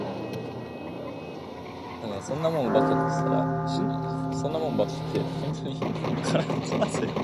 Music generated by a system component that has no discernible musical inputs.